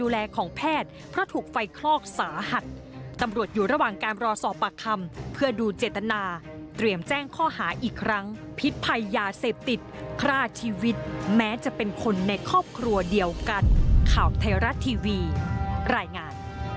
ลูกสาววัย๑๖ไข้กาลตอนเกิดเห็นนอนอยู่อีกห้องได้ยินเสียงพ่อแม่สิ้นใจตรงหน้า